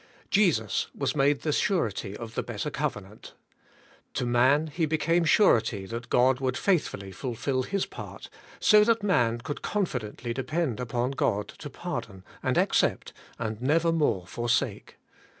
Jesus was made the surety of the better covenant. To man He became surety that God would faithfully fulfil His part, so that man could confidently depend upon God to pardon, and accept, and nevermore forsake.